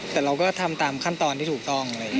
แต่เราก็ทำตามขั้นตอนที่ถูกต้อง